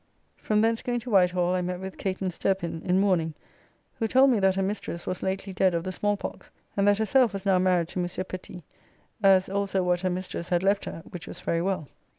From thence going to Whitehall I met with Catan Stirpin in mourning, who told me that her mistress was lately dead of the small pox, and that herself was now married to Monsieur Petit, as also what her mistress had left her, which was very well.